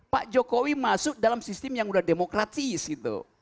pak jokowi masuk dalam sistem yang udah demokratis gitu